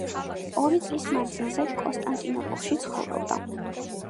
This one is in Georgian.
ორი წლის მანძილზე კონსტანტინოპოლში ცხოვრობდა.